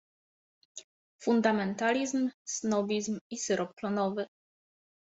Fundamentalizm, snobizm i syrop klonowy.